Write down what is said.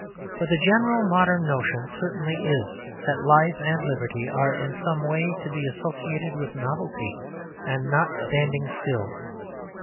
For the general modern notion certainly is that life and liberty are in some way to be associated with novelty and not standing still.